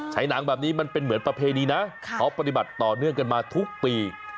หนังแบบนี้มันเป็นเหมือนประเพณีนะเขาปฏิบัติต่อเนื่องกันมาทุกปี